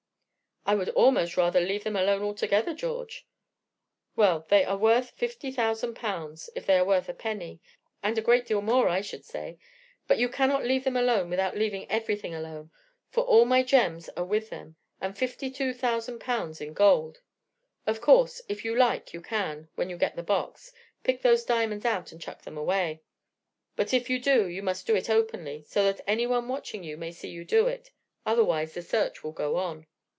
"I would almost rather leave them alone altogether, George." "Well, they are worth 50,000 pounds if they are worth a penny, and a great deal more I should say; but you cannot leave them alone without leaving everything alone, for all my gems are with them, and 52,000 pounds in gold. Of course, if you like you can, when you get the box, pick those diamonds out and chuck them away, but if you do you must do it openly, so that anyone watching you may see you do it, otherwise the search will go on."